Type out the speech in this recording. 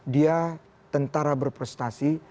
dia tentara berprestasi